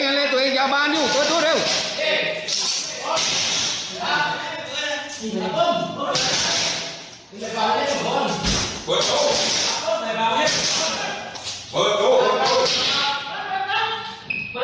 นอกขังอะไรละ